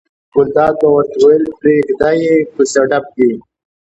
ګلداد به ورته ویل پرېږده یې کوڅه ډب دي.